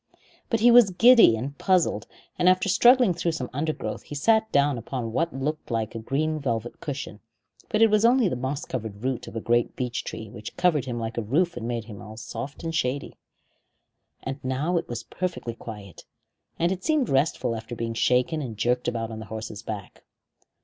But he was giddy and puzzled, and after struggling through some undergrowth he sat down upon what looked like a green velvet cushion; but it was only the moss covered root of a great beech tree, which covered him like a roof and made all soft and shady. And now it was perfectly quiet, and it seemed restful after being shaken and jerked about on the horse's back.